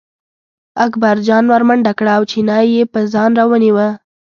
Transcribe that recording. اکبرجان ور منډه کړه او چینی یې په ځان راونیوه.